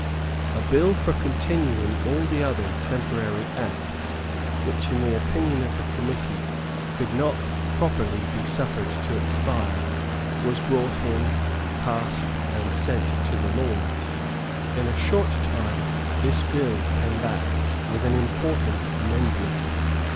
A bill for continuing all the other temporary Acts, which, in the opinion of the Committee, could not properly be suffered to expire, was brought in, passed and sent to the Lords. In a short time this bill came back with an important amendment.